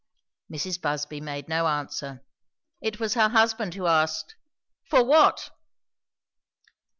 Mrs. Busby made no answer; it was her husband who asked, "For what?"